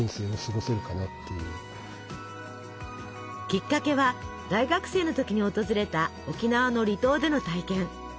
きっかけは大学生の時に訪れた沖縄の離島での体験。